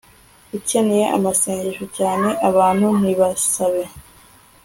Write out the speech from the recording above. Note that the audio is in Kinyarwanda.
ukeneye amasengesho cyane Abantu nibasabe